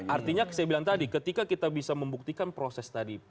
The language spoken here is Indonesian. artinya saya bilang tadi ketika kita bisa membuktikan proses tadi